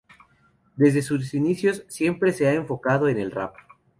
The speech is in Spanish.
Desde sus inicios, siempre se ha enfocado en el rap.